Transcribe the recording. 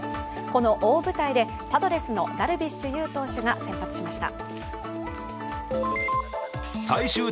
この大舞台でパドレスのダルビッシュ有選手が先発しました。